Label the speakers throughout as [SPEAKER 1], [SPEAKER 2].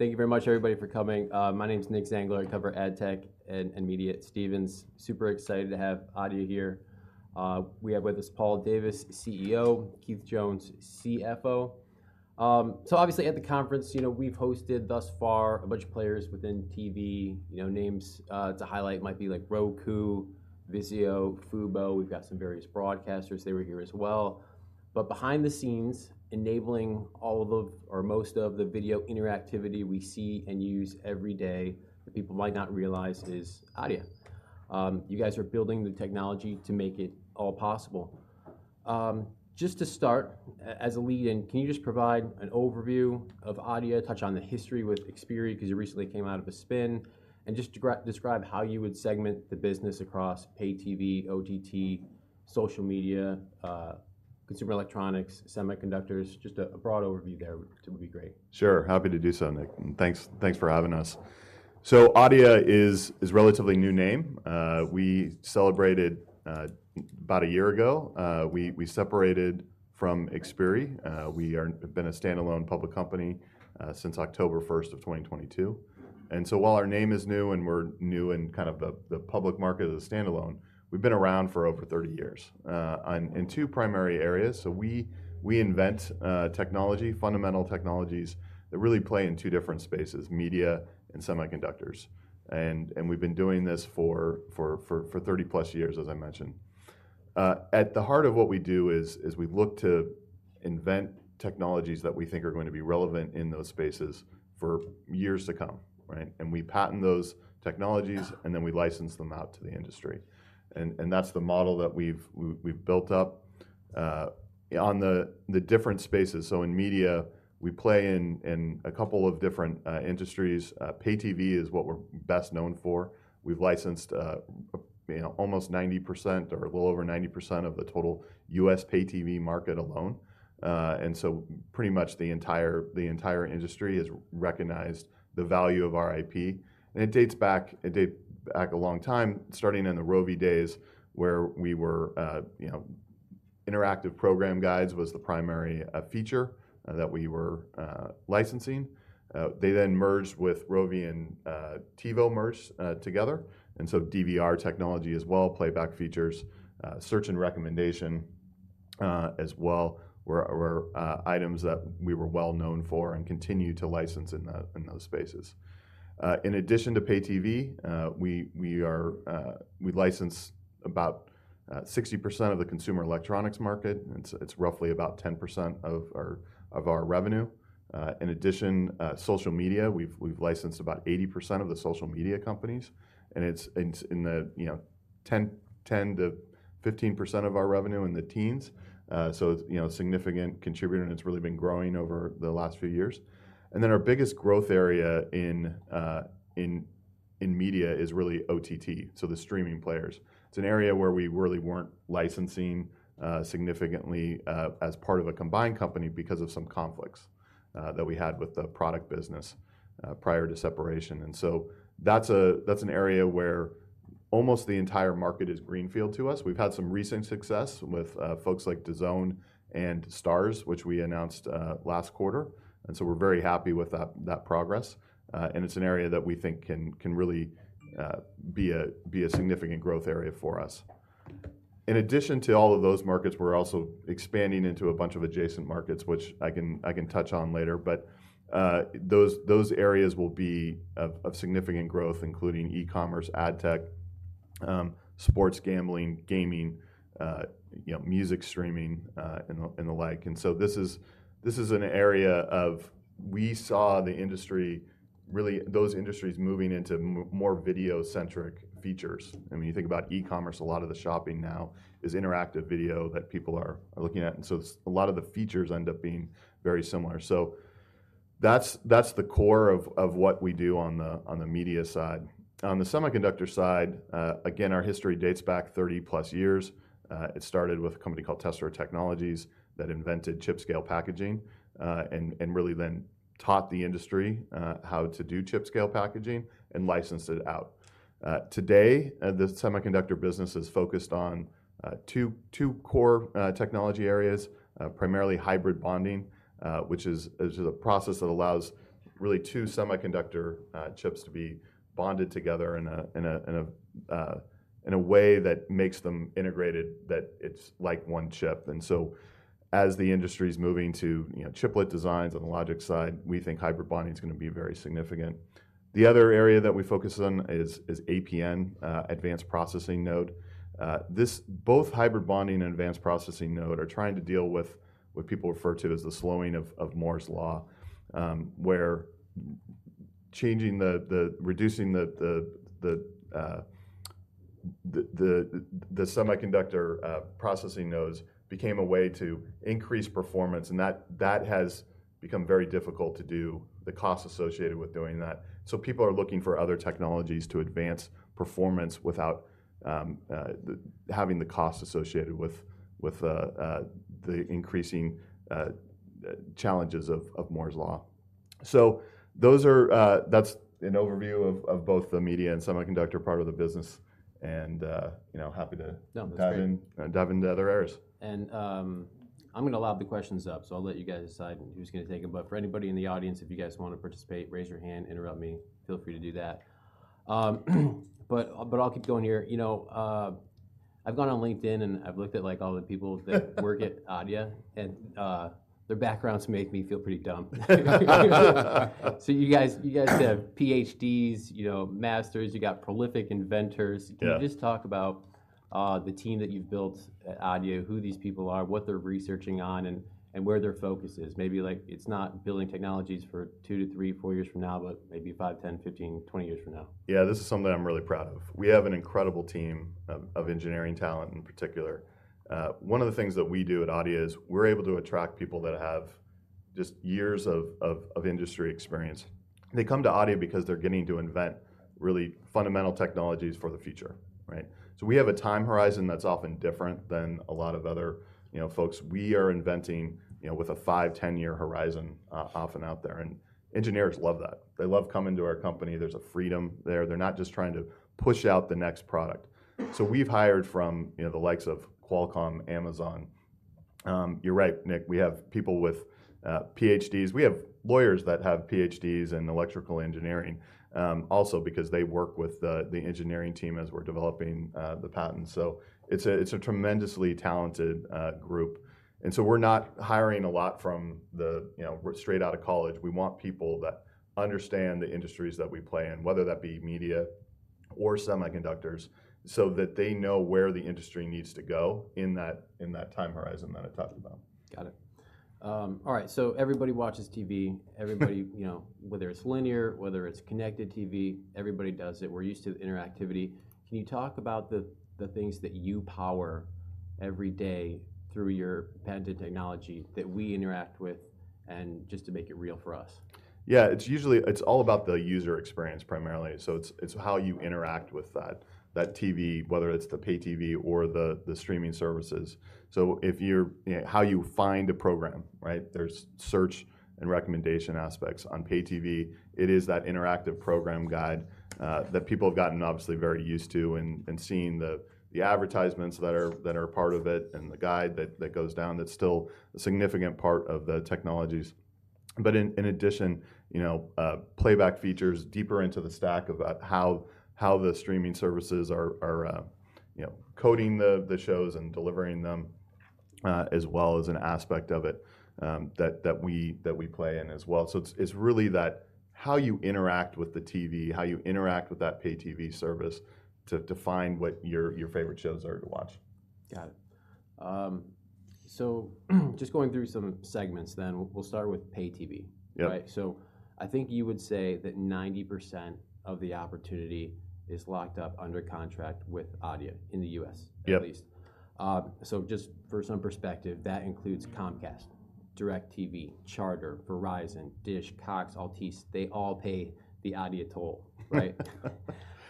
[SPEAKER 1] Thank you very much, everybody, for coming. My name's Nick Zangler. I cover ad tech and media at Stephens. Super excited to have Adeia here. We have with us Paul Davis, CEO, Keith Jones, CFO. So obviously at the conference, you know, we've hosted thus far a bunch of players within TV. You know, names to highlight might be like Roku, VIZIO, Fubo, we've got some various broadcasters, they were here as well. But behind the scenes, enabling all of the or most of the video interactivity we see and use every day, that people might not realize, is Adeia. You guys are building the technology to make it all possible. Just to start, as a lead-in, can you just provide an overview of Adeia, touch on the history with Xperi, 'cause it recently came out of a spin, and just describe how you would segment the business across pay TV, OTT, social media, consumer electronics, semiconductors. Just a broad overview there would be great.
[SPEAKER 2] Sure. Happy to do so, Nick, and thanks, thanks for having us. So Adeia is a relatively new name. We celebrated about a year ago we separated from Xperi. We have been a standalone public company since October 1st of 2022. And so while our name is new, and we're new in kind of the public market as a standalone, we've been around for over 30 years in two primary areas. So we invent technology, fundamental technologies, that really play in two different spaces: media and semiconductors. And we've been doing this for 30-plus years, as I mentioned. At the heart of what we do is we look to invent technologies that we think are going to be relevant in those spaces for years to come, right? We patent those technologies, and then we license them out to the industry. And that's the model that we've built up on the different spaces. So in media, we play in a couple of different industries. Pay TV is what we're best known for. We've licensed, you know, almost 90% or a little over 90% of the total U.S. Pay TV market alone. And so pretty much the entire industry has recognized the value of our IP, and it dates back a long time, starting in the Rovi days, where we were, you know, interactive program guides was the primary feature that we were licensing. They then merged with Rovi and TiVo merged together, and so DVR technology as well, playback features, search and recommendation as well, were items that we were well-known for and continue to license in those spaces. In addition to Pay TV, we license about 60% of the consumer electronics market, and it's roughly about 10% of our revenue. In addition, social media, we've licensed about 80% of the social media companies, and it's in the, you know, 10%-15% of our revenue, in the teens. So it's, you know, a significant contributor, and it's really been growing over the last few years. And then our biggest growth area in media is really OTT, so the streaming players. It's an area where we really weren't licensing significantly as part of a combined company because of some conflicts that we had with the product business prior to separation. And so that's an area where almost the entire market is greenfield to us. We've had some recent success with folks like DAZN and Starz, which we announced last quarter, and so we're very happy with that progress. And it's an area that we think can really be a significant growth area for us. In addition to all of those markets, we're also expanding into a bunch of adjacent markets, which I can touch on later, but those areas will be of significant growth, including e-commerce, ad tech, sports gambling, gaming, you know, music streaming, and the like. So this is an area of... We saw the industry, really those industries, moving into more video-centric features. I mean, you think about e-commerce, a lot of the shopping now is interactive video that people are looking at, and so a lot of the features end up being very similar. So that's the core of what we do on the media side. On the semiconductors side, again, our history dates back 30-plus years. It started with a company called Tessera Technologies that invented Chip-Scale Packaging, and really then taught the industry how to do Chip-Scale Packaging and licensed it out. Today, the semiconductor business is focused on two core technology areas, primarily Hybrid Bonding, which is a process that allows really two semiconductor chips to be bonded together in a way that makes them integrated that it's like one chip. And so, as the industry's moving to, you know, Chiplet designs on the logic side, we think Hybrid Bonding's gonna be very significant. The other area that we focus on is APN, Advanced Processing Node. This both hybrid bonding and advanced processing node are trying to deal with what people refer to as the slowing of Moore's Law, where reducing the semiconductor processing nodes became a way to increase performance, and that has become very difficult to do, the costs associated with doing that. So people are looking for other technologies to advance performance without having the costs associated with the increasing challenges of Moore's Law. So that's an overview of both the media and semiconductor part of the business, and you know, happy to-
[SPEAKER 1] Yeah, that's great.
[SPEAKER 2] dive into other areas.
[SPEAKER 1] And, I'm gonna open the questions up, so I'll let you guys decide who's gonna take it. But for anybody in the audience, if you guys wanna participate, raise your hand, interrupt me, feel free to do that. But I'll keep going here. You know, I've gone on LinkedIn, and I've looked at, like, all the people that work at Adeia, and their backgrounds make me feel pretty dumb. So you guys, you guys have PhDs, you know, Master's, you got prolific inventors.
[SPEAKER 2] Yeah.
[SPEAKER 1] Can you just talk about the team that you've built at Adeia, who these people are, what they're researching on, and where their focus is? Maybe, like, it's not building technologies for two to four years from now, but maybe five, 10, 15, 20 years from now.
[SPEAKER 2] Yeah, this is something I'm really proud of. We have an incredible team of engineering talent, in particular. One of the things that we do at Adeia is we're able to attract people that have just years of industry experience. They come to Adeia because they're getting to invent really fundamental technologies for the future, right? So we have a time horizon that's often different than a lot of other, you know, folks. We are inventing, you know, with a five to 10-year horizon, often out there, and engineers love that. They love coming to our company. There's a freedom there. They're not just trying to push out the next product. So we've hired from, you know, the likes of Qualcomm, Amazon. You're right, Nick, we have people with PhDs. We have lawyers that have Ph.D.s in electrical engineering, also because they work with the engineering team as we're developing the patents. So it's a tremendously talented group. And so we're not hiring a lot from the... you know, straight out of college. We want people that understand the industries that we play in, whether that be media or semiconductors, so that they know where the industry needs to go in that time horizon that I talked about.
[SPEAKER 1] Got it. All right, so everybody watches TV. Everybody, you know, whether it's linear, whether it's Connected TV, everybody does it. We're used to interactivity. Can you talk about the things that you power every day through your patented technology that we interact with, and just to make it real for us?
[SPEAKER 2] Yeah, it's usually, it's all about the user experience, primarily. So it's, it's how you interact with that, that TV, whether it's the pay TV or the, the streaming services. So if you're... You know, how you find a program, right? There's search and recommendation aspects. On pay TV, it is that interactive program guide, that people have gotten obviously very used to and, and seeing the, the advertisements that are, that are a part of it and the guide that, that goes down, that's still a significant part of the technologies. But in, in addition, you know, playback features deeper into the stack of, how, how the streaming services are, are, you know, coding the, the shows and delivering them, as well as an aspect of it, that, that we, that we play in as well. So it's really that how you interact with the TV, how you interact with that pay TV service to find what your favorite shows are to watch.
[SPEAKER 1] Got it. So just going through some segments then, we'll start with Pay TV.
[SPEAKER 2] Yep.
[SPEAKER 1] Right? So I think you would say that 90% of the opportunity is locked up under contract with Adeia in the U.S.-
[SPEAKER 2] Yep...
[SPEAKER 1] at least. So just for some perspective, that includes Comcast, DirecTV, Charter, Verizon, Dish, Cox, Altice. They all pay the Adeia toll, right?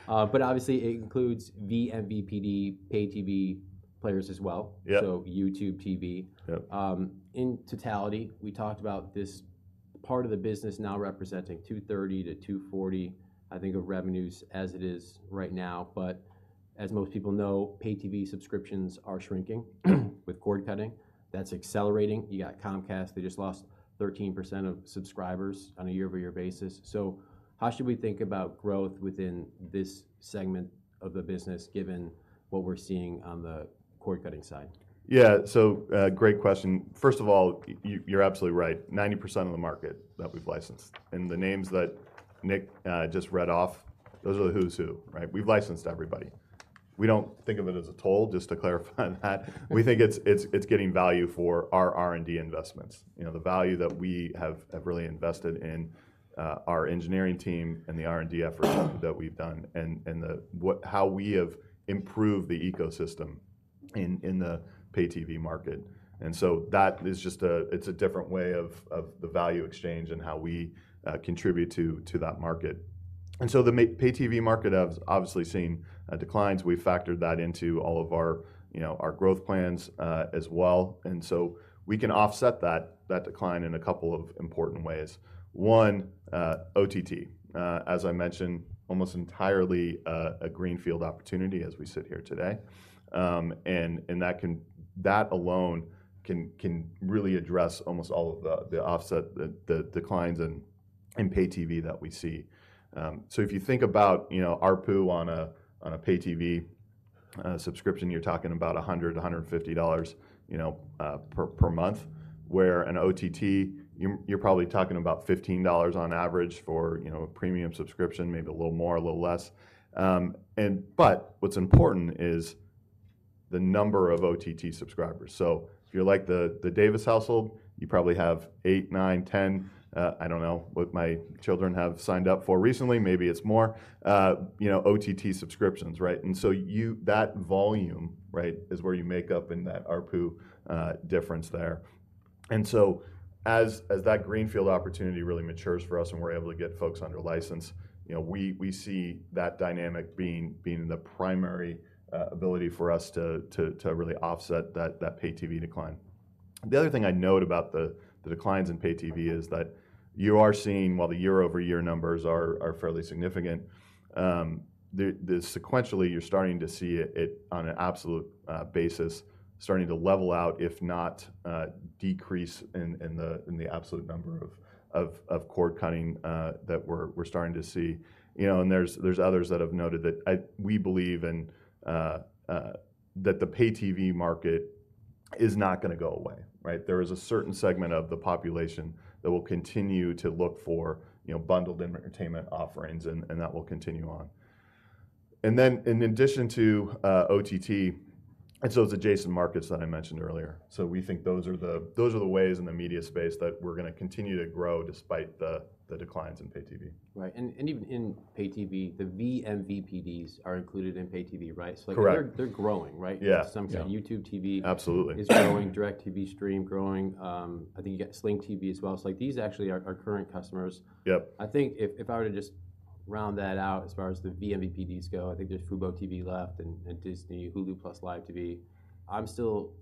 [SPEAKER 1] But obviously, it includes vMVPD pay TV players as well.
[SPEAKER 2] Yep.
[SPEAKER 1] YouTube TV.
[SPEAKER 2] Yep.
[SPEAKER 1] In totality, we talked about this part of the business now representing 230-240, I think, of revenues as it is right now. As most people know, Pay TV subscriptions are shrinking with cord-cutting. That's accelerating. You got Comcast, they just lost 13% of subscribers on a year-over-year basis. How should we think about growth within this segment of the business, given what we're seeing on the cord-cutting side?
[SPEAKER 2] Yeah, so, great question. First of all, you're absolutely right, 90% of the market that we've licensed. And the names that Nick just read off, those are the who's who, right? We've licensed everybody. We don't think of it as a toll, just to clarify that. We think it's getting value for our R&D investments. You know, the value that we have really invested in our engineering team and the R&D effort that we've done and how we have improved the ecosystem in the pay TV market. And so that is just a different way of the value exchange and how we contribute to that market. And so the pay TV market has obviously seen declines. We've factored that into all of our, you know, our growth plans as well. We can offset that decline in a couple of important ways. One, OTT, as I mentioned, almost entirely a greenfield opportunity as we sit here today. And that alone can really address almost all of the offset, the declines in pay TV that we see. So if you think about, you know, ARPU on a pay TV subscription, you're talking about $100-$150, you know, per month, where an OTT, you're probably talking about $15 on average for, you know, a premium subscription, maybe a little more, a little less. But what's important is the number of OTT subscribers. So if you're like the Davis household, you probably have eight, nine, ten. I don't know what my children have signed up for recently, maybe it's more, you know, OTT subscriptions, right? And so you... That volume, right, is where you make up in that ARPU difference there. And so as that greenfield opportunity really matures for us and we're able to get folks under license, you know, we see that dynamic being the primary ability for us to really offset that pay TV decline. The other thing I'd note about the declines in pay TV is that you are seeing, while the year-over-year numbers are fairly significant... Sequentially, you're starting to see it on an absolute basis starting to level out, if not decrease in the absolute number of cord-cutting that we're starting to see. You know, and there's others that have noted that we believe that the pay TV market is not gonna go away, right? There is a certain segment of the population that will continue to look for, you know, bundled entertainment offerings, and that will continue on. And then in addition to OTT, and so it's adjacent markets that I mentioned earlier. So we think those are the ways in the media space that we're gonna continue to grow despite the declines in pay TV.
[SPEAKER 1] Right. And even in Pay TV, the vMVPDs are included in Pay TV, right?
[SPEAKER 2] Correct.
[SPEAKER 1] So like, they're growing, right?
[SPEAKER 2] Yeah.
[SPEAKER 1] Some kind... YouTube TV-
[SPEAKER 2] Absolutely.
[SPEAKER 1] is growing, DIRECTV STREAM growing. I think you got Sling TV as well. So, like, these actually are, our current customers.
[SPEAKER 2] Yep.
[SPEAKER 1] I think if I were to just round that out as far as the vMVPDs go, I think there's FuboTV left and Disney, Hulu + Live TV. I'm still...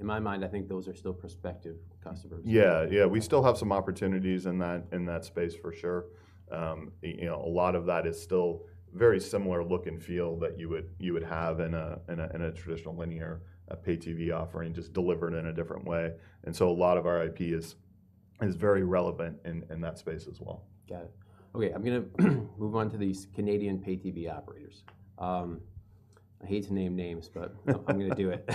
[SPEAKER 1] In my mind, I think those are still prospective customers.
[SPEAKER 2] Yeah. Yeah, we still have some opportunities in that space for sure. You know, a lot of that is still very similar look and feel that you would have in a traditional linear pay TV offering, just delivered in a different way. And so a lot of our IP is very relevant in that space as well.
[SPEAKER 1] Got it. Okay. I'm gonna move on to these Canadian pay TV operators. I hate to name names, but-
[SPEAKER 2] No.
[SPEAKER 1] I'm gonna do it.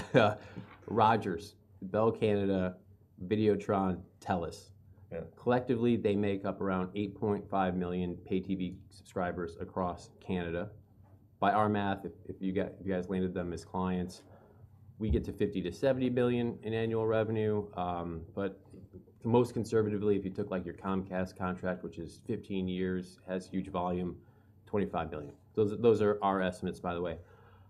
[SPEAKER 1] Rogers, Bell Canada, Videotron, Telus.
[SPEAKER 2] Yeah.
[SPEAKER 1] Collectively, they make up around 8.5 million pay TV subscribers across Canada. By our math, if you get, you guys landed them as clients, we get to $50 billion-$70 billion in annual revenue. But the most conservatively, if you took, like, your Comcast contract, which is 15 years, has huge volume, $25 billion. Those are our estimates, by the way.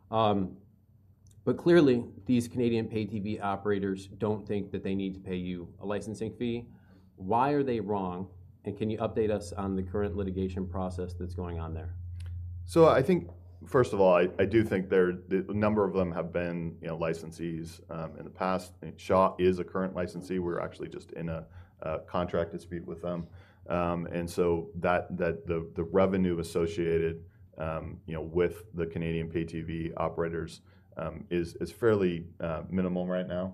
[SPEAKER 1] But clearly, these Canadian pay TV operators don't think that they need to pay you a licensing fee. Why are they wrong, and can you update us on the current litigation process that's going on there?
[SPEAKER 2] So I think, first of all, I do think the number of them have been, you know, licensees in the past. Shaw is a current licensee. We're actually just in a contract dispute with them. And so that the revenue associated, you know, with the Canadian pay TV operators is fairly minimum right now.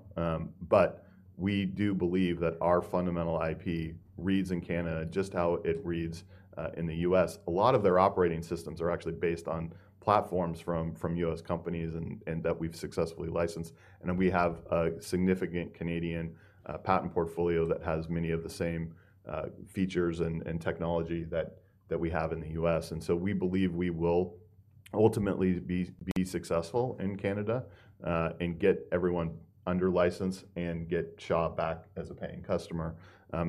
[SPEAKER 2] But we do believe that our fundamental IP reads in Canada just how it reads in the U.S. A lot of their operating systems are actually based on platforms from U.S. companies and that we've successfully licensed, and then we have a significant Canadian patent portfolio that has many of the same features and technology that we have in the U.S. So we believe we will ultimately be successful in Canada and get everyone under license and get Shaw back as a paying customer.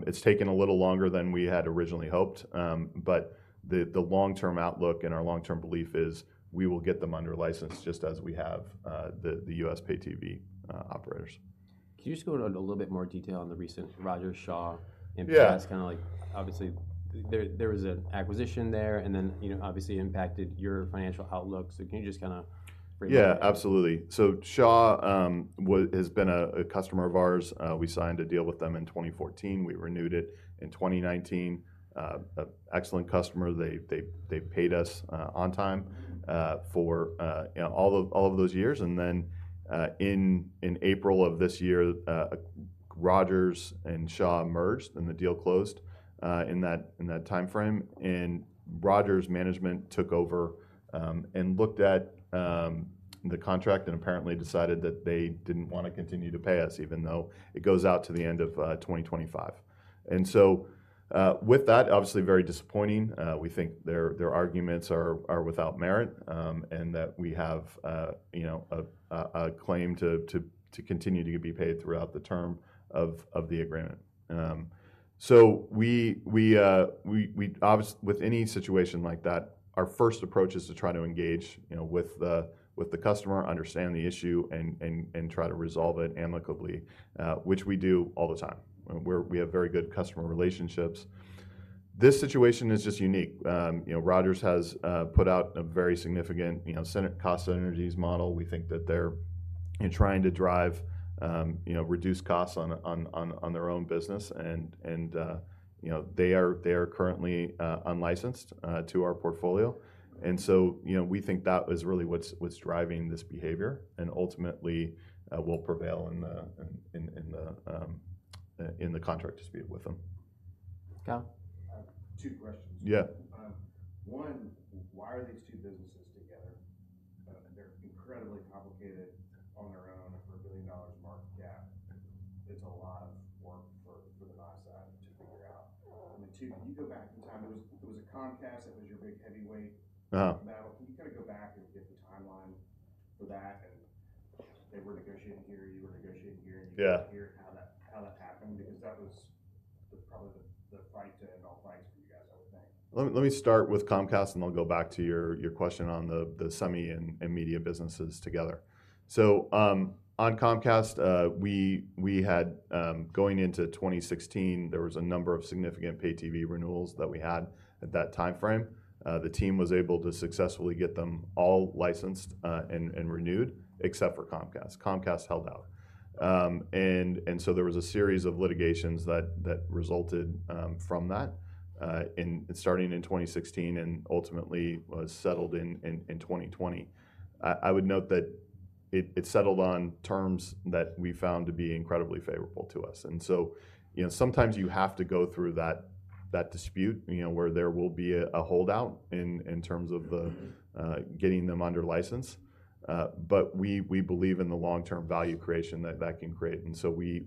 [SPEAKER 2] It's taken a little longer than we had originally hoped, but the long-term outlook and our long-term belief is we will get them under license just as we have the U.S. Pay TV operators.
[SPEAKER 1] Can you just go into a little bit more detail on the recent Rogers-Shaw impasse?
[SPEAKER 2] Yeah.
[SPEAKER 1] Kinda like, obviously, there was an acquisition there, and then, you know, obviously impacted your financial outlook. So can you just kinda break it down?
[SPEAKER 2] Yeah, absolutely. So Shaw has been a customer of ours. We signed a deal with them in 2014. We renewed it in 2019. An excellent customer. They've paid us on time, for you know, all of those years. And then, in April of this year, Rogers and Shaw merged, and the deal closed in that timeframe. And Rogers' management took over, and looked at the contract and apparently decided that they didn't wanna continue to pay us, even though it goes out to the end of 2025. And so, with that, obviously very disappointing. We think their arguments are without merit, and that we have, you know, a claim to continue to be paid throughout the term of the agreement. So, with any situation like that, our first approach is to try to engage, you know, with the customer, understand the issue, and try to resolve it amicably, which we do all the time. We have very good customer relationships. This situation is just unique. You know, Rogers has put out a very significant cost synergies model. We think that they're trying to drive, you know, reduced costs on their own business and, you know, they are currently unlicensed to our portfolio. And so, you know, we think that is really what's driving this behavior and ultimately will prevail in the contract dispute with them.
[SPEAKER 1] Kyle?
[SPEAKER 3] I have two questions.
[SPEAKER 2] Yeah.
[SPEAKER 3] One, why are these two businesses together? They're incredibly complicated on their own, and for a $1 billion market cap, it's a lot of work for the buy side to figure out. And two, can you go back in time? There was a Comcast that was your big heavyweight-
[SPEAKER 2] Uh-huh...
[SPEAKER 3] battle. Can you kinda go back and give the timeline for that? And they were negotiating here, you were negotiating here-
[SPEAKER 2] Yeah ...
[SPEAKER 3] and you hear how that happened? Because that was probably the fight to end all fights for you guys, I would think.
[SPEAKER 2] Let me start with Comcast, and I'll go back to your question on the semi and media businesses together. So, on Comcast, we had, going into 2016, there was a number of significant pay TV renewals that we had at that timeframe. The team was able to successfully get them all licensed and renewed, except for Comcast. Comcast held out. And so there was a series of litigations that resulted from that, in it starting in 2016 and ultimately was settled in 2020. I would note that it settled on terms that we found to be incredibly favorable to us. And so, you know, sometimes you have to go through that dispute, you know, where there will be a holdout in terms of the-
[SPEAKER 4] Mm-hmm...
[SPEAKER 2] getting them under license. But we believe in the long-term value creation that that can create, and so we...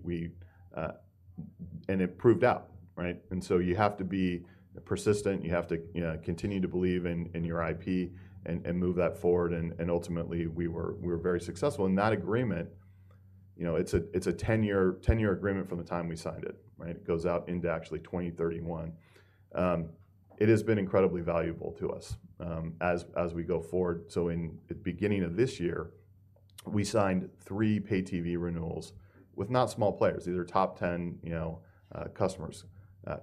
[SPEAKER 2] It proved out, right? So you have to be persistent, you have to, you know, continue to believe in your IP and move that forward, and ultimately, we were very successful. That agreement, you know, it's a 10-year agreement from the time we signed it, right? It goes out into actually 2031. It has been incredibly valuable to us as we go forward. So in the beginning of this year, we signed three pay TV renewals with not small players. These are top 10, you know, customers.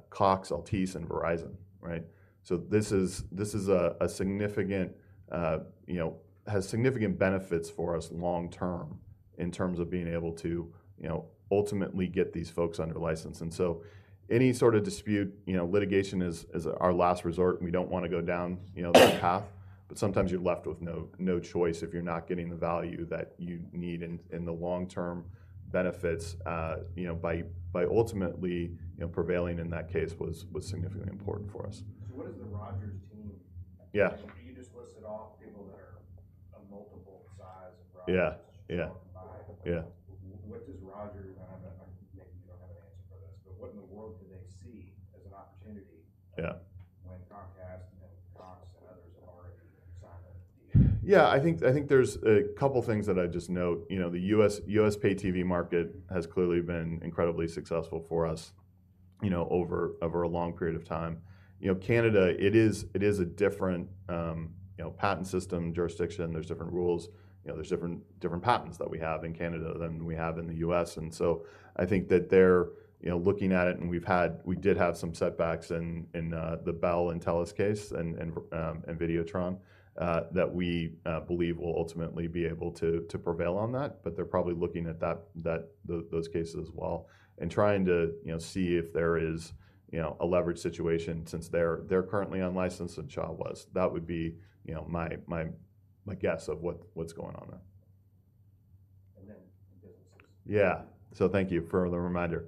[SPEAKER 2] Cox, Altice, and Verizon, right? So this is a significant, you know... has significant benefits for us long-term, in terms of being able to, you know, ultimately get these folks under license. And so any sort of dispute, you know, litigation is our last resort, and we don't wanna go down, you know, that path, but sometimes you're left with no choice if you're not getting the value that you need in the long-term benefits. You know, by ultimately, you know, prevailing in that case was significantly important for us.
[SPEAKER 4] What is the Rogers team-
[SPEAKER 2] Yeah.
[SPEAKER 4] You just listed off people that are a multiple the size of Rogers-
[SPEAKER 2] Yeah, yeah...
[SPEAKER 4] combined.
[SPEAKER 2] Yeah.
[SPEAKER 4] What does Rogers... I, maybe you don't have an answer for this, but what in the world do they see as an opportunity-
[SPEAKER 2] Yeah...
[SPEAKER 4] when Comcast and Cox and others have already signed with you?
[SPEAKER 2] Yeah, I think, I think there's a couple things that I'd just note. You know, the U.S., U.S. pay TV market has clearly been incredibly successful for us, you know, over, over a long period of time. You know, Canada, it is, it is a different, you know, patent system, jurisdiction. There's different rules, you know, there's different, different patents that we have in Canada than we have in the U.S. And so I think that they're, you know, looking at it, and we've had... We did have some setbacks in, in, the Bell and Telus case, and, and Videotron, that we believe we'll ultimately be able to, to prevail on that. They're probably looking at those cases as well and trying to, you know, see if there is, you know, a leverage situation since they're currently unlicensed, and Shaw was. That would be, you know, my guess of what's going on there.
[SPEAKER 4] And then the businesses.
[SPEAKER 2] Yeah. So thank you for the reminder.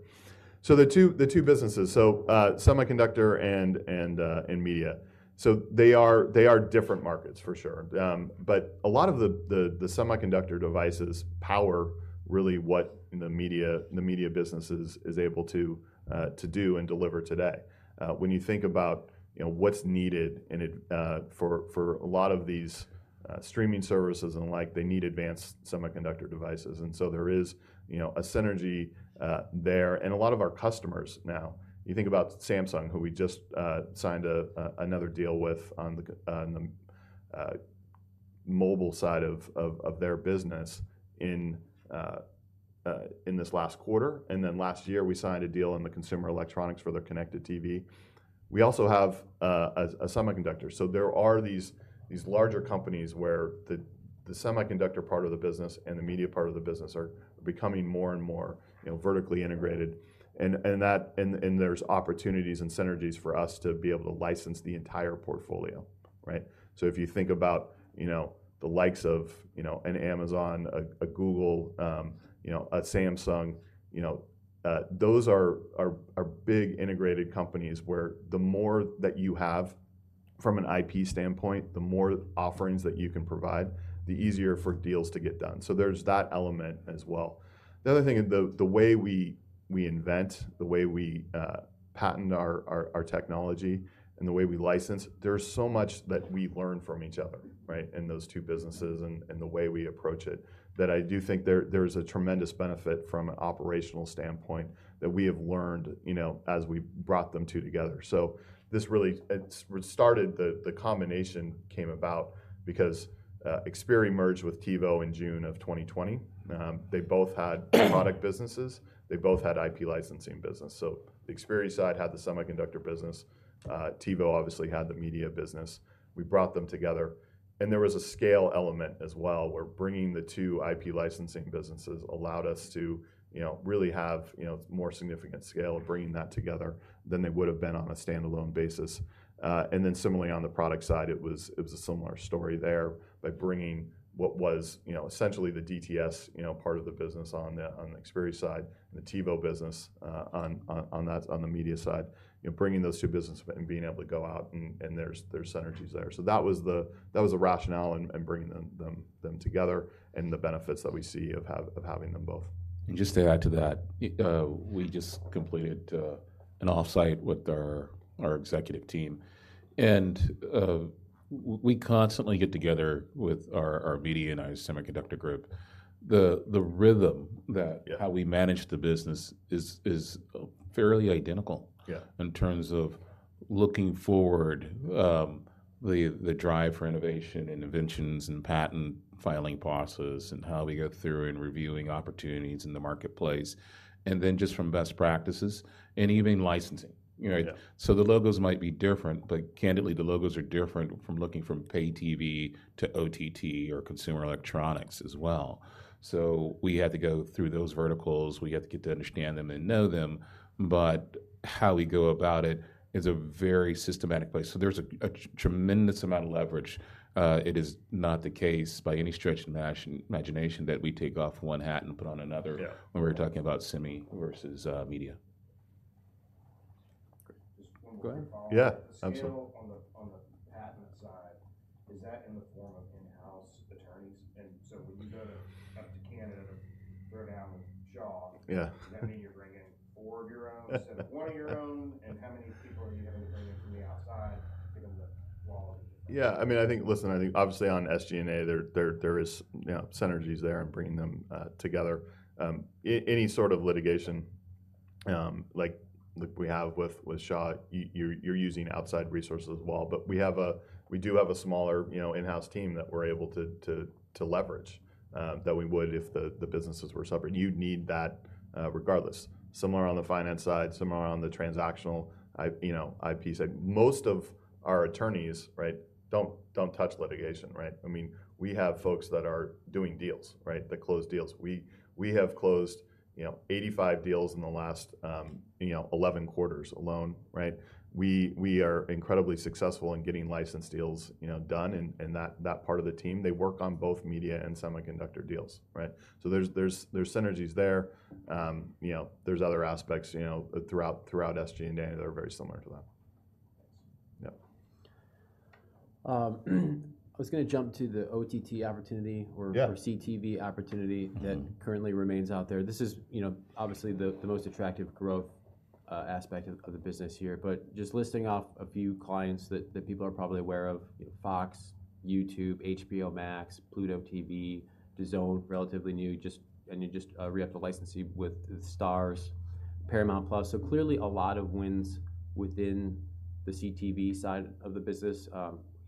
[SPEAKER 2] So the two businesses, so, semiconductor and media, so they are different markets for sure. But a lot of the semiconductor devices power really what the media business is able to do and deliver today. When you think about, you know, what's needed in it for a lot of these streaming services and the like, they need advanced semiconductor devices, and so there is, you know, a synergy there. And a lot of our customers now, you think about Samsung, who we just signed another deal with on the mobile side of their business in this last quarter, and then last year we signed a deal in the consumer electronics for their Connected TV. We also have a semiconductor. So there are these larger companies where the semiconductor part of the business and the media part of the business are becoming more and more, you know, vertically integrated. And that there's opportunities and synergies for us to be able to license the entire portfolio, right? So if you think about, you know, the likes of, you know, an Amazon, a Google, you know, a Samsung, you know, those are big, integrated companies, where the more that you have from an IP standpoint, the more offerings that you can provide, the easier for deals to get done. So there's that element as well. The other thing, the way we invent, the way we patent our technology, and the way we license, there's so much that we learn from each other, right? In those two businesses and the way we approach it, that I do think there's a tremendous benefit from an operational standpoint that we have learned, you know, as we brought them two together. So this really... It started, the combination came about because Xperi merged with TiVo in June 2020. They both had product businesses. They both had IP licensing business. So the Xperi side had the semiconductor business, TiVo obviously had the media business. We brought them together, and there was a scale element as well, where bringing the two IP licensing businesses allowed us to, you know, really have, you know, more significant scale of bringing that together than they would've been on a standalone basis. And then similarly on the product side, it was a similar story there. By bringing what was, you know, essentially the DTS, you know, part of the business on the Xperi side, and the TiVo business on that media side, you know, bringing those two businesses and being able to go out, and there's synergies there. So that was the rationale in bringing them together and the benefits that we see of having them both.
[SPEAKER 4] Just to add to that, we just completed an offsite with our executive team, and we constantly get together with our media and our semiconductor group. The rhythm that-
[SPEAKER 2] Yeah...
[SPEAKER 4] how we manage the business is fairly identical-
[SPEAKER 2] Yeah...
[SPEAKER 4] in terms of looking forward, the drive for innovation, inventions, and patent filing processes, and how we go through in reviewing opportunities in the marketplace, and then just from best practices and even licensing. You know?
[SPEAKER 2] Yeah.
[SPEAKER 4] So the logos might be different, but candidly, the logos are different from looking from pay TV to OTT or consumer electronics as well. So we had to go through those verticals. We had to get to understand them and know them, but how we go about it is a very systematic way. So there's a tremendous amount of leverage. It is not the case by any stretch of imagination that we take off one hat and put on another.
[SPEAKER 2] Yeah...
[SPEAKER 4] when we're talking about semi versus, media. ...
[SPEAKER 2] Go ahead. Yeah, absolutely.
[SPEAKER 3] On the patent side, is that in the form of in-house attorneys? And so when you go up to Canada to throw down with Shaw-
[SPEAKER 2] Yeah.
[SPEAKER 3] Does that mean you're bringing four of your own instead of one of your own? And how many people are you having to bring in from the outside, given the wall?
[SPEAKER 2] Yeah, I mean, I think, listen, I think obviously on SG&A, there is, you know, synergies there in bringing them together. Any sort of litigation, like we have with Shaw, you're using outside resources as well. But we have a... We do have a smaller, you know, in-house team that we're able to leverage than we would if the businesses were separate. You'd need that regardless. Similar on the finance side, similar on the transactional IP, you know, IP side. Most of our attorneys, right, don't touch litigation, right? I mean, we have folks that are doing deals, right, that close deals. We have closed, you know, 85 deals in the last 11 quarters alone, right? We are incredibly successful in getting license deals, you know, done, and that part of the team, they work on both media and semiconductor deals, right? So there's synergies there. You know, there's other aspects, you know, throughout SG&A that are very similar to that.
[SPEAKER 3] Thanks.
[SPEAKER 2] Yep.
[SPEAKER 1] I was gonna jump to the OTT opportunity-
[SPEAKER 2] Yeah...
[SPEAKER 1] or CTV opportunity-... that currently remains out there. This is, you know, obviously the most attractive growth aspect of the business here. But just listing off a few clients that people are probably aware of, you know, Fox, YouTube, HBO Max, Pluto TV, DAZN, relatively new, just... and you just re-upped a licensee with Starz, Paramount+. So clearly a lot of wins within the CTV side of the business,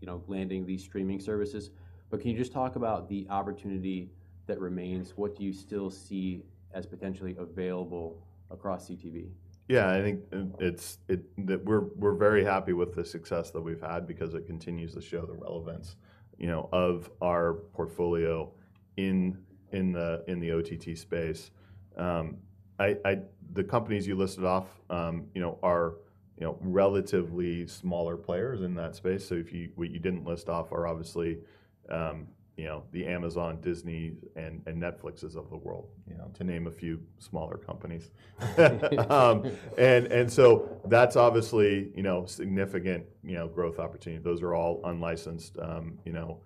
[SPEAKER 1] you know, landing these streaming services, but can you just talk about the opportunity that remains? What do you still see as potentially available across CTV?
[SPEAKER 2] Yeah, I think it's that we're very happy with the success that we've had because it continues to show the relevance, you know, of our portfolio in the OTT space. The companies you listed off, you know, are relatively smaller players in that space. What you didn't list off are obviously, you know, the Amazon, Disney and Netflixes of the world, you know, to name a few smaller companies. And so that's obviously, you know, significant growth opportunity. Those are all unlicensed, you know,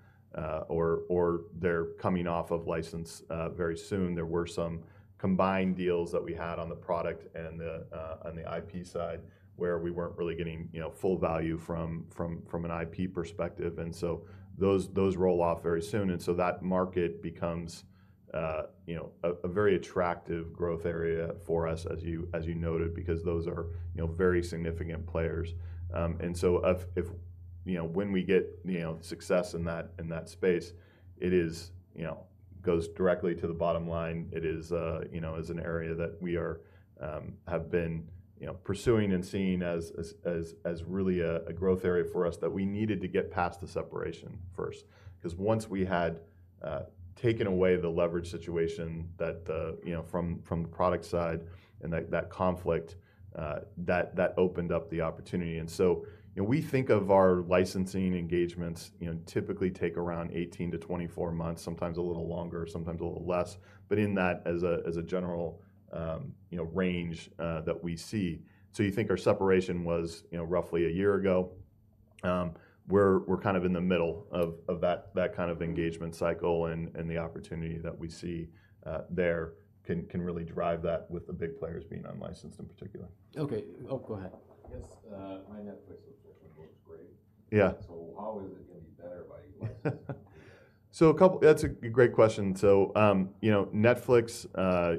[SPEAKER 2] or they're coming off of license very soon. There were some combined deals that we had on the product and the IP side, where we weren't really getting, you know, full value from an IP perspective, and so those roll off very soon. And so that market becomes, you know, a very attractive growth area for us, as you noted, because those are, you know, very significant players. And so if you know when we get, you know, success in that space, it is, you know, goes directly to the bottom line. It is, you know, is an area that we are have been, you know, pursuing and seeing as really a growth area for us, that we needed to get past the separation first. 'Cause once we had taken away the leverage situation that the, you know, from the product side, and that conflict, that opened up the opportunity. And so, you know, we think of our licensing engagements, you know, typically take around 18 months -24 months, sometimes a little longer, sometimes a little less, but in that as a general, you know, range, that we see. So you think our separation was, you know, roughly a year ago. We're kind of in the middle of that kind of engagement cycle, and the opportunity that we see, there, can really drive that with the big players being unlicensed in particular.
[SPEAKER 1] Okay. Oh, go ahead.
[SPEAKER 5] Yes, my Netflix subscription works great.
[SPEAKER 2] Yeah.
[SPEAKER 5] How is it gonna be better by licensing?
[SPEAKER 2] That's a great question. So, you know, Netflix,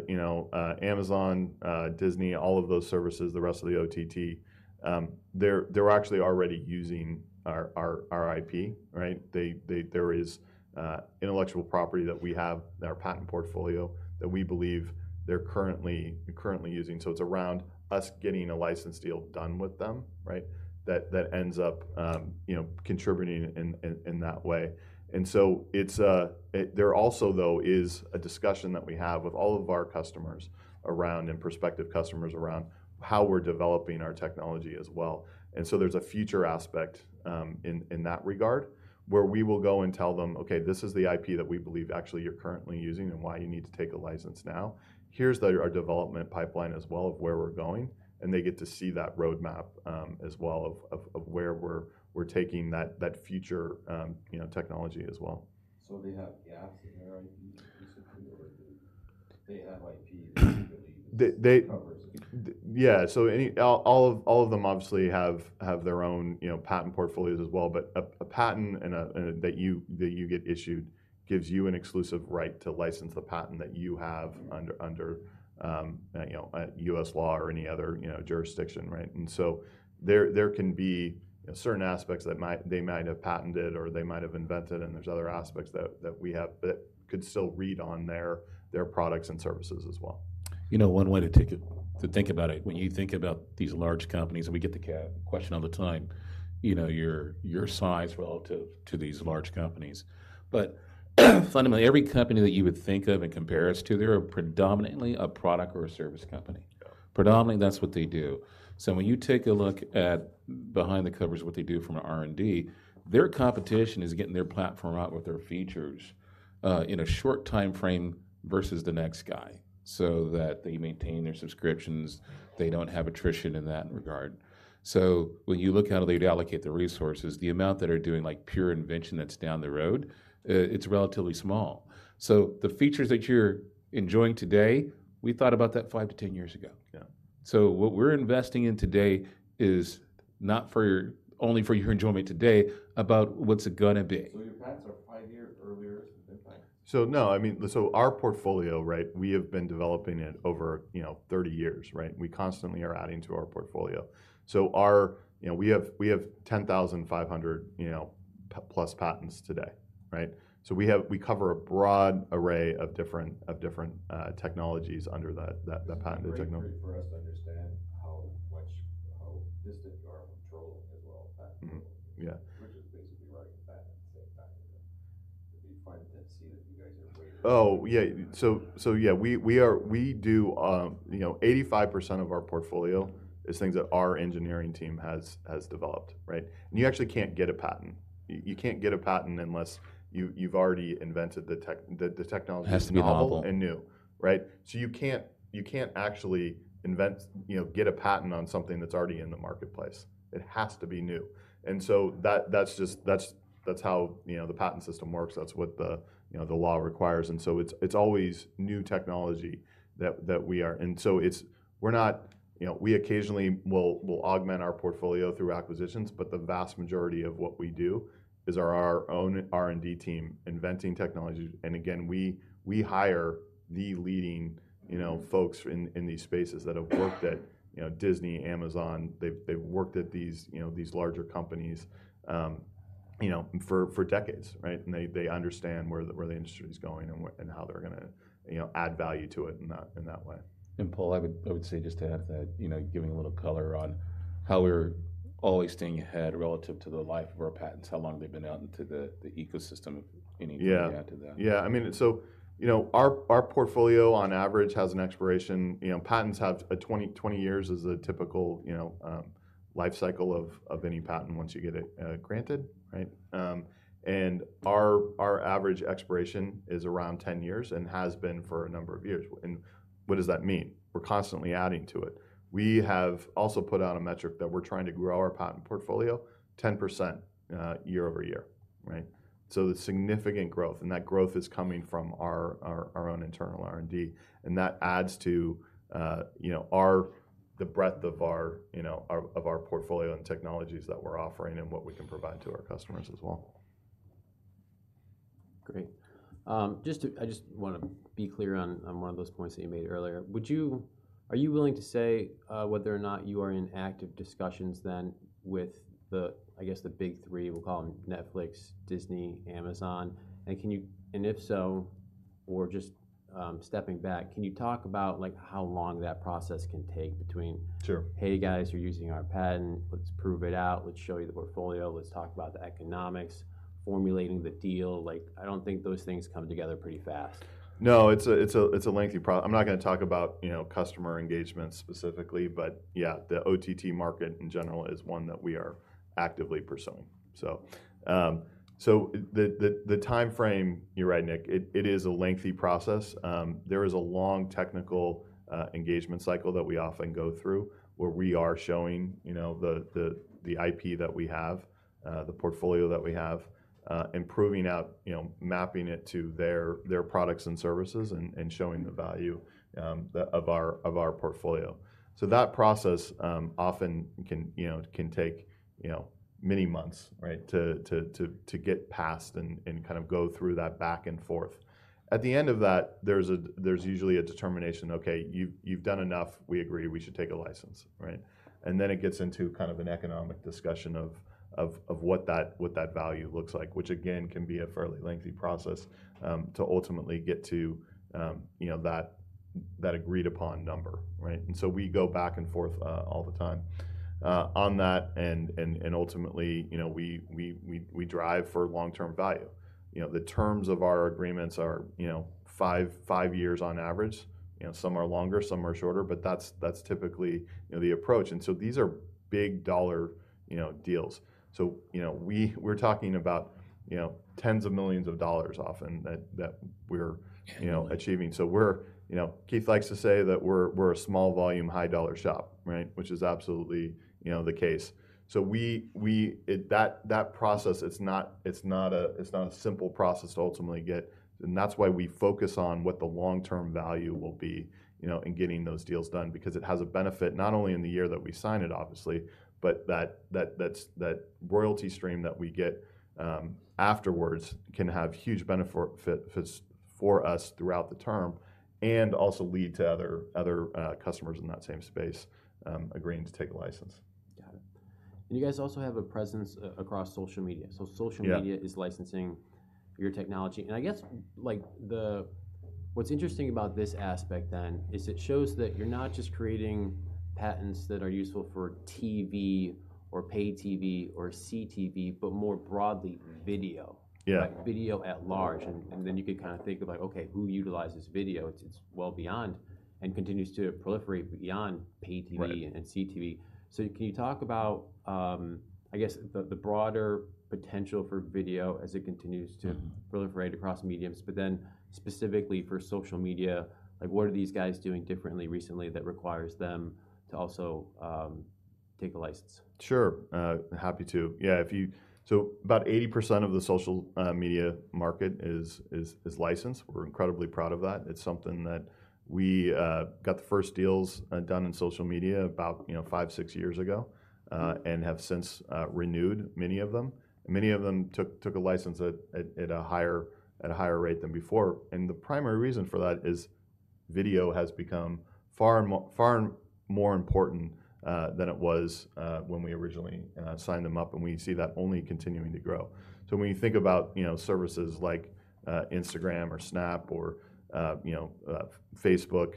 [SPEAKER 2] you know, Amazon, Disney, all of those services, the rest of the OTT, they're actually already using our IP, right? They... There is intellectual property that we have in our patent portfolio that we believe they're currently using. So it's around us getting a license deal done with them, right? That ends up, you know, contributing in that way. And so it's... There also, though, is a discussion that we have with all of our customers around, and prospective customers, around how we're developing our technology as well. And so there's a future aspect, in that regard, where we will go and tell them, "Okay, this is the IP that we believe actually you're currently using and why you need to take a license now. Here's our development pipeline as well, of where we're going," and they get to see that roadmap, as well, of where we're taking that future, you know, technology as well.
[SPEAKER 5] So they have gaps in their IP, basically, or they have IP-
[SPEAKER 2] They, they-
[SPEAKER 5] That covers it?
[SPEAKER 2] Yeah, so all of them obviously have their own, you know, patent portfolios as well. But a patent that you get issued gives you an exclusive right to license the patent that you have-
[SPEAKER 3] Mm-hmm...
[SPEAKER 2] under you know, U.S. law or any other, you know, jurisdiction, right? And so there can be certain aspects that they might have patented or they might have invented, and there's other aspects that we have that could still read on their products and services as well.
[SPEAKER 4] You know, one way to take it, to think about it, when you think about these large companies, and we get the question all the time, you know, your, your size relative to these large companies. But fundamentally, every company that you would think of and compare us to, they're predominantly a product or a service company.
[SPEAKER 2] Yeah.
[SPEAKER 4] Predominantly, that's what they do. So when you take a look at behind the covers, what they do from an R&D, their competition is getting their platform out with their features, in a short timeframe-...
[SPEAKER 2] versus the next guy, so that they maintain their subscriptions, they don't have attrition in that regard. So when you look how they allocate the resources, the amount that are doing, like, pure invention, that's down the road, it's relatively small. So the features that you're enjoying today, we thought about that 5-10 years ago. Yeah. So what we're investing in today is not for your-- only for your enjoyment today, about what's it gonna be.
[SPEAKER 1] Your patents are five years earlier than patents?
[SPEAKER 2] No, I mean, our portfolio, right? We have been developing it over, you know, 30 years, right? We constantly are adding to our portfolio. So our... You know, we have 10,500, you know, plus patents today, right? So we have—we cover a broad array of different technologies under that patentage number.
[SPEAKER 1] This is great, great for us to understand how much, how distant you are from trolling as well.
[SPEAKER 2] Mm-hmm. Yeah.
[SPEAKER 1] Which is basically writing patent at the same time, it'd be fun to see that you guys are way-
[SPEAKER 2] Oh, yeah. So, yeah, we are. We do, you know, 85% of our portfolio is things that our engineering team has developed, right? And you actually can't get a patent. You can't get a patent unless you've already invented the technology. Has to be novel... novel and new, right? So you can't actually get a patent on something that's already in the marketplace. It has to be new, and so that's just, that's how, you know, the patent system works. That's what, you know, the law requires, and so it's always new technology that we are. And so we're not, you know, we occasionally will augment our portfolio through acquisitions, but the vast majority of what we do is our own R&D team inventing technologies. And again, we hire the leading, you know, folks in these spaces that have worked at you know, Disney, Amazon. They've worked at these, you know, these larger companies, you know, for decades, right? And they understand where the industry is going and what and how they're gonna, you know, add value to it in that way. And, Paul, I would say, just to add to that, you know, giving a little color on how we're always staying ahead relative to the life of our patents, how long they've been out into the ecosystem, if anything. Yeah, you can add to that. Yeah, I mean, so, you know, our portfolio on average has an expiration, you know, patents have a 20-20 years is a typical, you know, life cycle of any patent once you get it granted, right? And our average expiration is around 10 years and has been for a number of years. And what does that mean? We're constantly adding to it. We have also put out a metric that we're trying to grow our patent portfolio 10% year-over-year, right? So there's significant growth, and that growth is coming from our own internal R&D, and that adds to, you know, our, the breadth of our, you know, our portfolio and technologies that we're offering and what we can provide to our customers as well.
[SPEAKER 1] Great. Just to... I just wanna be clear on, on one of those points that you made earlier. Would you are you willing to say, whether or not you are in active discussions then with the, I guess, the big three, we'll call them Netflix, Disney, Amazon, and can you... And if so, or just, stepping back, can you talk about, like, how long that process can take between-
[SPEAKER 2] Sure...
[SPEAKER 1] "Hey, guys, you're using our patent. Let's prove it out, let's show you the portfolio, let's talk about the economics," formulating the deal? Like, I don't think those things come together pretty fast.
[SPEAKER 2] No, it's a lengthy process. I'm not gonna talk about, you know, customer engagements specifically, but yeah, the OTT market in general is one that we are actively pursuing. So, the timeframe, you're right, Nick, it is a lengthy process. There is a long technical engagement cycle that we often go through, where we are showing, you know, the IP that we have, the portfolio that we have, and proving out, you know, mapping it to their products and services and showing the value of our portfolio. So that process often can, you know, can take, you know, many months, right, to get past and kind of go through that back and forth. At the end of that, there's usually a determination, "Okay, you've done enough. We agree we should take a license," right? And then it gets into kind of an economic discussion of what that value looks like, which again, can be a fairly lengthy process to ultimately get to, you know, that agreed-upon number, right? And so we go back and forth all the time on that and ultimately, you know, we drive for long-term value. You know, the terms of our agreements are, you know, five years on average. You know, some are longer, some are shorter, but that's typically, you know, the approach, and so these are big dollar, you know, deals. So, you know, we're talking about, you know, $10s of millions often that we're, you know, achieving. So we're, you know, Keith likes to say that we're a small volume, high dollar shop, right? Which is absolutely, you know, the case. So we, that process, it's not a simple process to ultimately get, and that's why we focus on what the long-term value will be, you know, in getting those deals done, because it has a benefit not only in the year that we sign it, obviously, but that royalty stream that we get afterwards can have huge benefits for us throughout the term and also lead to other customers in that same space agreeing to take a license.
[SPEAKER 1] Got it. And you guys also have a presence across social media.
[SPEAKER 2] Yeah.
[SPEAKER 1] Social media is licensing your technology. I guess, like, what's interesting about this aspect then is it shows that you're not just creating patents that are useful for TV or pay TV or CTV, but more broadly, video.
[SPEAKER 2] Yeah.
[SPEAKER 1] Like, video at large.
[SPEAKER 2] Yeah.
[SPEAKER 1] Then you can kind of think about, okay, who utilizes video? It's well beyond and continues to proliferate beyond pay TV-
[SPEAKER 2] Right...
[SPEAKER 1] and CTV. So can you talk about, I guess, the broader potential for video as it continues to proliferate across mediums, but then specifically for social media, like, what are these guys doing differently recently that requires them to also take a license?
[SPEAKER 2] Sure, happy to. Yeah, so about 80% of the social media market is licensed. We're incredibly proud of that. It's something that we got the first deals done in social media about, you know, five to six years ago.
[SPEAKER 1] Mm.
[SPEAKER 2] And have since renewed many of them. Many of them took a license at a higher rate than before, and the primary reason for that is video has become far more important than it was when we originally signed them up, and we see that only continuing to grow. So when you think about, you know, services like Instagram or Snap or, you know, Facebook,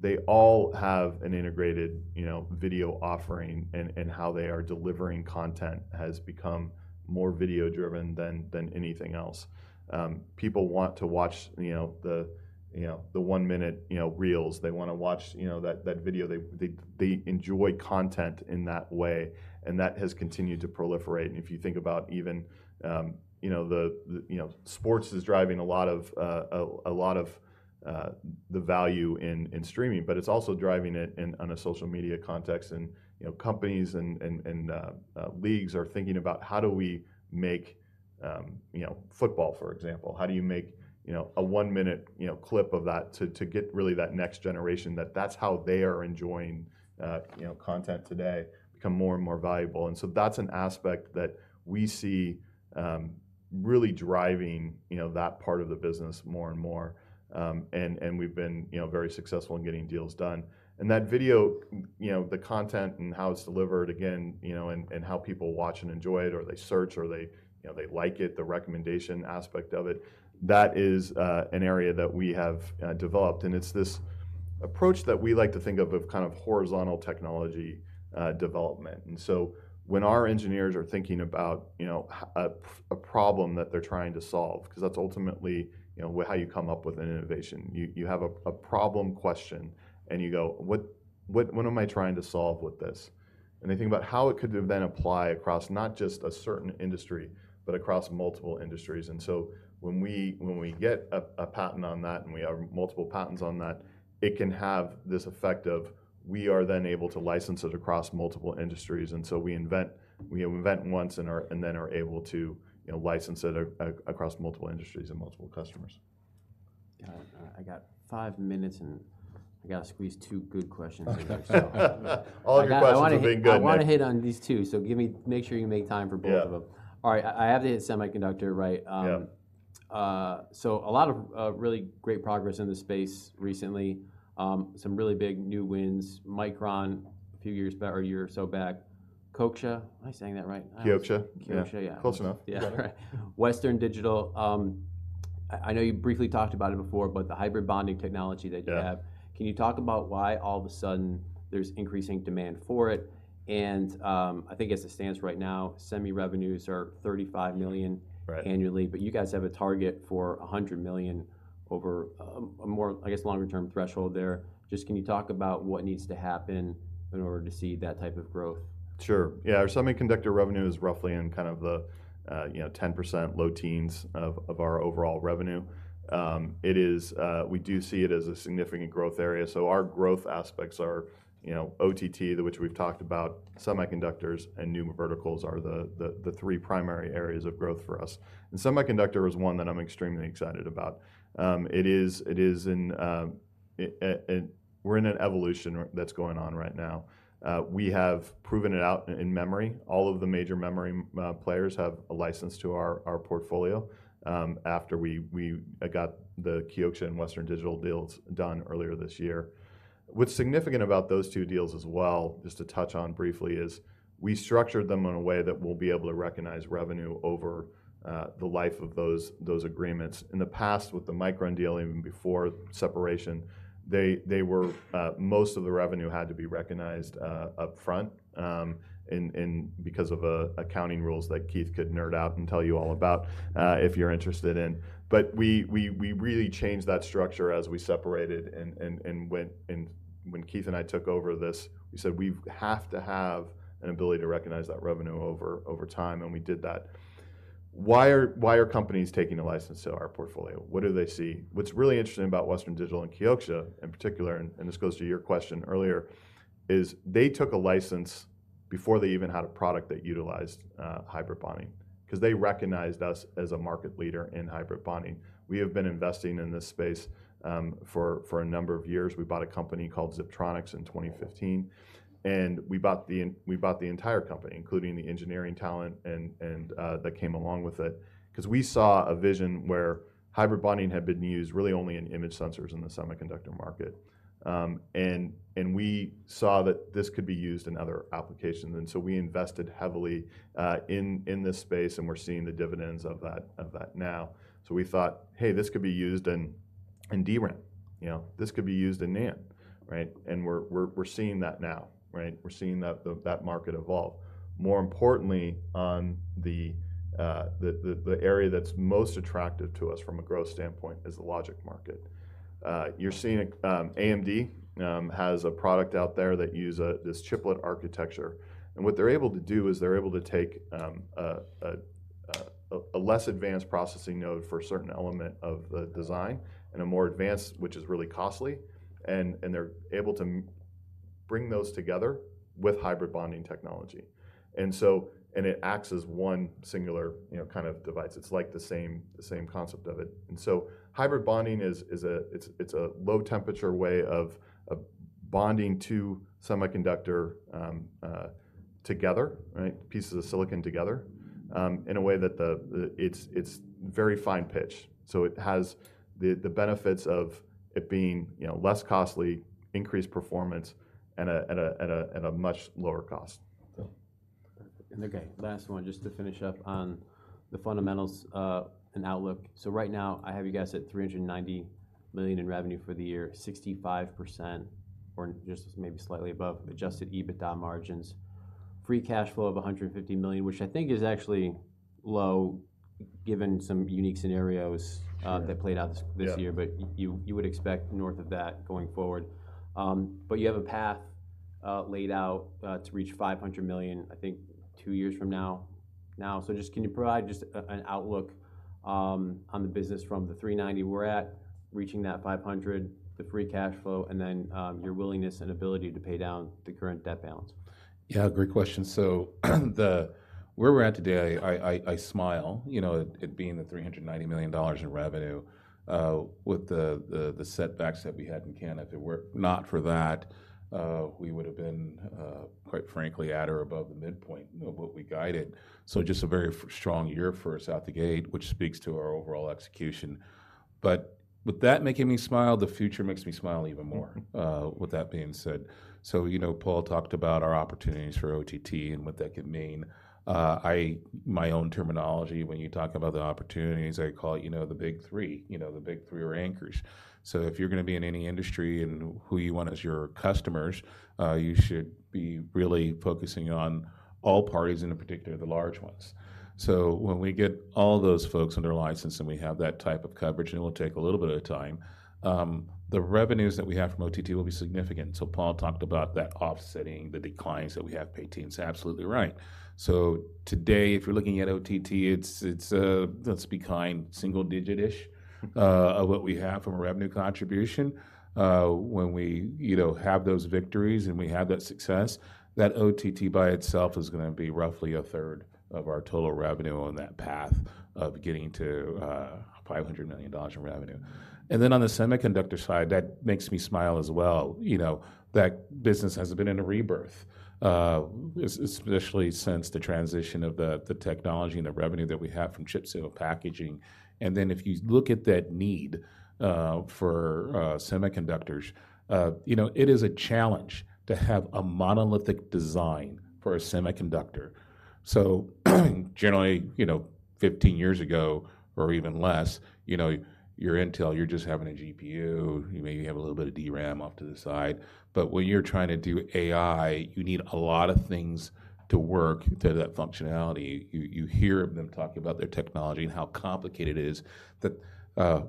[SPEAKER 2] they all have an integrated, you know, video offering, and how they are delivering content has become more video-driven than anything else. People want to watch, you know, the one-minute, you know, reels. They wanna watch, you know, that video. They enjoy content in that way, and that has continued to proliferate. And if you think about even, you know, the, the, you know, sports is driving a lot of, a lot of, the value in streaming, but it's also driving it in, on a social media context. And, you know, companies and leagues are thinking about, "How do we make," you know, football, for example, how do you make, you know, a one-minute, you know, clip of that to get really that next generation, that's how they are enjoying, you know, content today, become more and more valuable? And so that's an aspect that we see, really driving, you know, that part of the business more and more. And we've been, you know, very successful in getting deals done. And that video, you know, the content and how it's delivered, again, you know, and, and how people watch and enjoy it, or they search, or they, you know, they like it, the recommendation aspect of it, that is an area that we have developed. And it's this approach that we like to think of, of kind of horizontal technology development. And so when our engineers are thinking about, you know, a problem that they're trying to solve, 'cause that's ultimately, you know, how you come up with an innovation. You have a problem question, and you go, "What am I trying to solve with this?" And they think about how it could then apply across not just a certain industry but across multiple industries. And so when we get a patent on that, and we have multiple patents on that, it can have this effect of we are then able to license it across multiple industries, and so we invent once and then are able to, you know, license it across multiple industries and multiple customers.
[SPEAKER 1] Got it. I got 5 minutes, and I gotta squeeze 2 good questions in there, so-
[SPEAKER 2] All of your questions are pretty good.
[SPEAKER 1] I wanna hit, I wanna hit on these two, so give me... Make sure you make time for both of them.
[SPEAKER 2] Yeah.
[SPEAKER 1] All right, I have to hit semiconductor, right?
[SPEAKER 2] Yeah.
[SPEAKER 1] A lot of really great progress in this space recently. Some really big new wins. Micron, a few years back or a year or so back. Kioxia? Am I saying that right?
[SPEAKER 2] Kioxia.
[SPEAKER 1] Kioxia, yeah.
[SPEAKER 2] Close enough.
[SPEAKER 1] Yeah, right. Western Digital, I know you briefly talked about it before, but the hybrid bonding technology that you have-
[SPEAKER 2] Yeah.
[SPEAKER 1] -Can you talk about why all of a sudden there's increasing demand for it? And, I think as it stands right now, semi revenues are $35 million-
[SPEAKER 2] Right...
[SPEAKER 1] annually, but you guys have a target for $100 million over a more, I guess, longer-term threshold there. Just can you talk about what needs to happen in order to see that type of growth?
[SPEAKER 2] Sure, yeah. Our semiconductor revenue is roughly in kind of the, you know, 10%, low teens of our overall revenue. We do see it as a significant growth area, so our growth aspects are, you know, OTT, which we've talked about, semiconductors, and new verticals are the three primary areas of growth for us. And semiconductor is one that I'm extremely excited about. It is in a we're in an evolution that's going on right now. We have proven it out in memory. All of the major memory players have a license to our portfolio, after we got the Kioxia and Western Digital deals done earlier this year. What's significant about those two deals as well, just to touch on briefly, is we structured them in a way that we'll be able to recognize revenue over the life of those agreements. In the past, with the Micron deal, even before separation, they were most of the revenue had to be recognized upfront, and because of accounting rules that Keith could nerd out and tell you all about, if you're interested in. But we really changed that structure as we separated, and when Keith and I took over this, we said, "We have to have an ability to recognize that revenue over time," and we did that. Why are companies taking a license to our portfolio? What do they see? What's really interesting about Western Digital and Kioxia, in particular, and this goes to your question earlier, is they took a license before they even had a product that utilized hybrid bonding, 'cause they recognized us as a market leader in hybrid bonding. We have been investing in this space for a number of years. We bought a company called Ziptronix in 2015, and we bought the entire company, including the engineering talent and that came along with it. 'Cause we saw a vision where hybrid bonding had been used really only in image sensors in the semiconductor market, and we saw that this could be used in other applications, and so we invested heavily in this space, and we're seeing the dividends of that now. So we thought, "Hey, this could be used in, in DRAM," you know? "This could be used in NAND," right? And we're seeing that now, right? We're seeing that market evolve. More importantly, on the area that's most attractive to us from a growth standpoint is the logic market. You're seeing a... AMD has a product out there that uses this chiplet architecture-...
[SPEAKER 4] And what they're able to do is they're able to take a less advanced processing node for a certain element of the design and a more advanced, which is really costly, and they're able to bring those together with hybrid bonding technology. And so it acts as one singular, you know, kind of device. It's like the same, the same concept of it. And so hybrid bonding is a low-temperature way of bonding two semiconductor together, right? Pieces of silicon together in a way that it's very fine pitch. So it has the benefits of it being, you know, less costly, increased performance, and a much lower cost.
[SPEAKER 1] Okay, last one, just to finish up on the fundamentals and outlook. So right now, I have you guys at $390 million in revenue for the year, 65% or just maybe slightly above adjusted EBITDA margins. Free cash flow of $150 million, which I think is actually low, given some unique scenarios.
[SPEAKER 4] Sure...
[SPEAKER 1] that played out this year.
[SPEAKER 4] Yeah.
[SPEAKER 1] But you would expect north of that going forward. But you have a path laid out to reach $500 million, I think two years from now. So just can you provide just an outlook on the business from the $390 million we're at, reaching that $500 million, the free cash flow, and then your willingness and ability to pay down the current debt balance?
[SPEAKER 4] Yeah, great question. So where we're at today, I smile, you know, it being the $390 million in revenue, with the setbacks that we had in Canada. If it were not for that, we would've been, quite frankly, at or above the midpoint of what we guided. So just a very strong year for us out the gate, which speaks to our overall execution. But with that making me smile, the future makes me smile even more, with that being said. So, you know, Paul talked about our opportunities for OTT and what that could mean. My own terminology, when you talk about the opportunities, I call it, you know, the big three. You know, the big three are anchors. So if you're gonna be in any industry, and who you want as your customers, you should be really focusing on all parties, and in particular, the large ones. So when we get all those folks under license, and we have that type of coverage, and it will take a little bit of time, the revenues that we have from OTT will be significant. So Paul talked about that offsetting the declines that we have in pay TV. Absolutely right. So today, if you're looking at OTT, it's, let's be kind, single digit-ish of what we have from a revenue contribution. When we, you know, have those victories, and we have that success, that OTT by itself is gonna be roughly a third of our total revenue on that path of getting to $500 million in revenue. Then, on the semiconductor side, that makes me smile as well. You know, that business has been in a rebirth, especially since the transition of the, the technology and the revenue that we have from chip-scale packaging. And then, if you look at that need for semiconductors, you know, it is a challenge to have a monolithic design for a semiconductor. So generally, you know, 15 years ago, or even less, you know, you're Intel, you're just having a GPU. You maybe have a little bit of DRAM off to the side, but when you're trying to do AI, you need a lot of things to work to that functionality. You hear of them talking about their technology and how complicated it is, that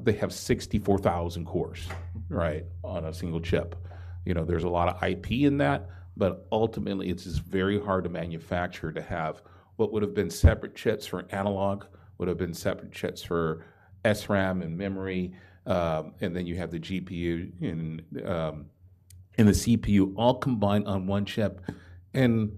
[SPEAKER 4] they have 64,000 cores, right, on a single chip. You know, there's a lot of IP in that, but ultimately, it's just very hard to manufacture, to have what would've been separate chips for analog, would've been separate chips for SRAM and memory. And then you have the GPU and the CPU all combined on one chip, and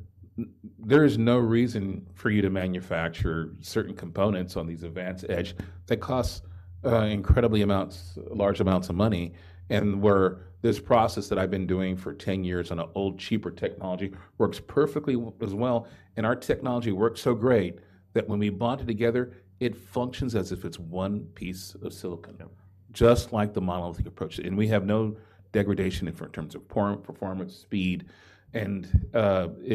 [SPEAKER 4] there is no reason for you to manufacture certain components on these advanced edge. That costs incredibly amounts, large amounts of money, and where this process that I've been doing for 10 years on an old, cheaper technology, works perfectly as well. And our technology works so great that when we bond it together, it functions as if it's one piece of silicon-
[SPEAKER 1] Yeah...
[SPEAKER 4] just like the monolithic approach, and we have no degradation in terms of performance, speed. And,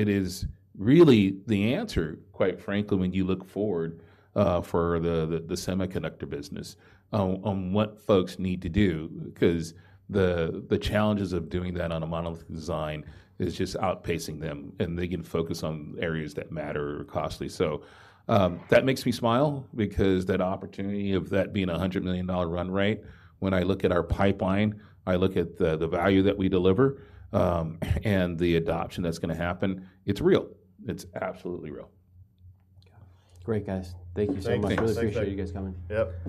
[SPEAKER 4] it is really the answer, quite frankly, when you look forward, for the semiconductor business on what folks need to do. 'Cause the challenges of doing that on a monolithic design is just outpacing them, and they can focus on areas that matter or are costly. So, that makes me smile because that opportunity of that being a $100 million run rate, when I look at our pipeline, I look at the value that we deliver, and the adoption that's gonna happen, it's real. It's absolutely real.
[SPEAKER 1] Okay. Great, guys. Thank you so much.
[SPEAKER 4] Thank you.
[SPEAKER 1] I really appreciate you guys coming.
[SPEAKER 4] Yep.